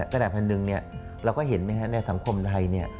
กระดาษแผ่นหนึ่งเราก็เห็นไหมในสังคมไทย